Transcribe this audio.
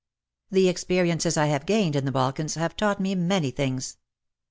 The experiences I have gained in the Balkans PROEM xiii have taught me many things.